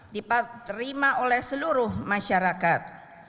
di terima oleh seluruh masyarakat